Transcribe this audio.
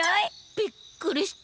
びっくりした。